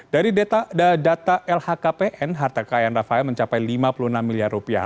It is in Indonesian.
dari data lhkpn harta kekayaan rafael mencapai lima puluh enam miliar rupiah